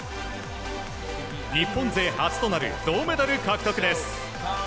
日本勢初となる銅メダル獲得です。